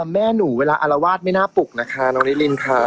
แม่หนูเวลาอารวาสไม่น่าปลุกนะคะน้องนิรินค่ะ